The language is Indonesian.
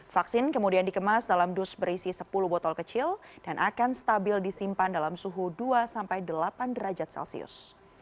vaksin kemudian dikemas dalam dus berisi sepuluh botol kecil dan akan stabil disimpan dalam suhu dua sampai delapan derajat celcius